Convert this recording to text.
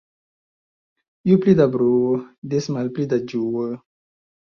Ju pli da bruo, des malpli da ĝuo.